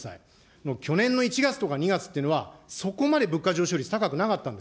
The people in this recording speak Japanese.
もう去年の１月とか２月っていうのは、そこまで物価上昇率高くなかったんです。